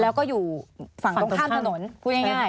แล้วก็อยู่ฝั่งตรงข้ามถนน